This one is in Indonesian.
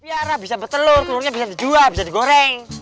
biar bisa bertelur telurnya bisa dijual bisa digoreng